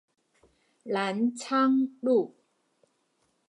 藍昌路